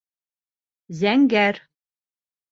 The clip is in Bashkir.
Зәңгәр